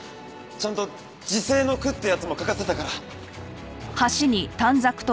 ちゃんと辞世の句ってやつも書かせたから。